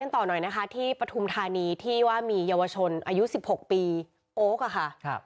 ต่อหน่อยนะคะที่ปฐุมธานีที่ว่ามีเยาวชนอายุ๑๖ปีโอ๊คอะค่ะ